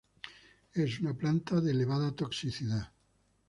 Es una planta de elevada toxicidad.